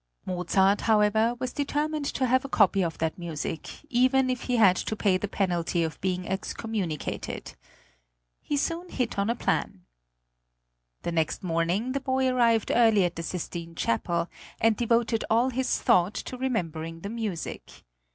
Mozart, however, was determined to have a copy of that music, even if he had to pay the penalty of being excommunicated. He soon hit on a plan. The next morning the boy arrived early at the Sistine Chapel, and devoted all his thought to remembering the music.